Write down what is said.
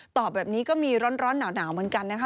ตอบแบบนี้ก็มีร้อนหนาวเหมือนกันนะคะ